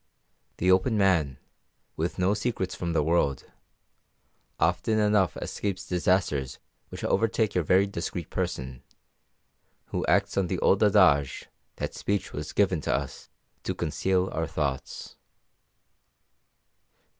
The open man, with no secrets from the world, often enough escapes disasters which overtake your very discreet person, who acts on the old adage that speech was given to us to conceal our thoughts.